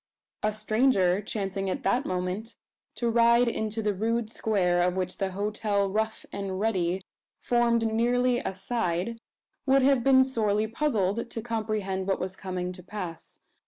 A stranger, chancing at that moment to ride into the rude square of which the hotel "Rough and Ready" formed nearly a side, would have been sorely puzzled to comprehend what was coming to pass.